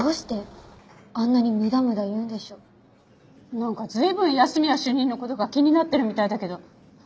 なんか随分安洛主任の事が気になってるみたいだけど。